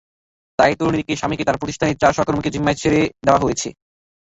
তাই তরুণীটির স্বামীকে তাঁর প্রতিষ্ঠানের চার সহকর্মীর জিম্মায় ছেড়ে দেওয়া হয়েছে।